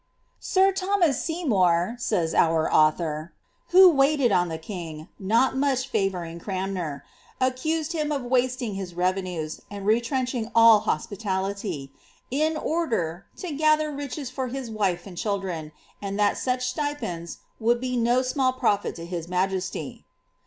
^^ Sir Tho mas Seymour,'' says our author, ^ who waited on the king, not much 6vouring Cranmer, accused him of wasting his revenues, and retrench ing all hospitality, in order, to gather riches for his wife and children/ and that such stipends would be no small profit to his majesty."